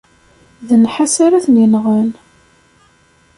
D nnḥas ara tent-inɣen.